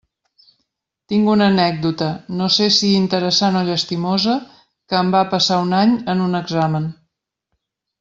Tinc una anècdota, no sé si interessant o llastimosa, que em va passar un any en un examen.